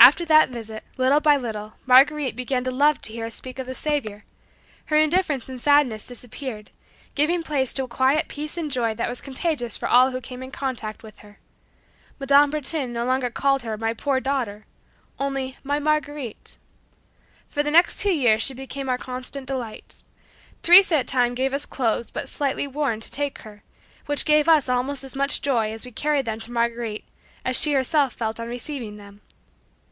After that visit, little by little Marguerite began to love to hear us speak of the Saviour. Her indifference and sadness disappeared, giving place to a quiet peace and joy that was contagious for all who came in contact with her. Mme. Bertin no longer called her "My poor daughter," only "My Marguerite." For the next two years she became our constant delight. Teresa at times gave us clothes but slightly worn to take to her, which gave us almost as much joy as we carried them to Marguerite as she herself felt on receiving them.